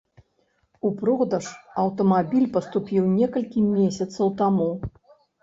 У продаж аўтамабіль паступіў некалькі месяцаў таму.